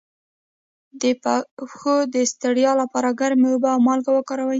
د پښو د ستړیا لپاره ګرمې اوبه او مالګه وکاروئ